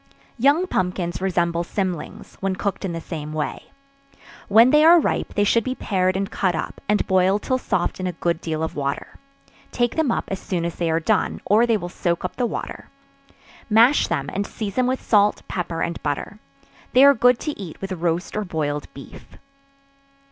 Young pumpkins resemble cymlings, when cooked in the same way. When they are ripe, they should be pared and cut up, and boiled till soft in a good deal of water; take them up as soon as they are done, or they will soak up the water; mash them and season them with salt, pepper and butter. They are good to eat with roast or boiled beef.